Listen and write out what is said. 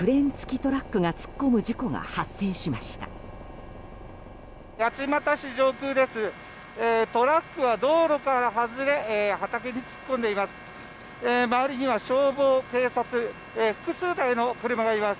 トラックは、道路から外れ畑に突っ込んでいます。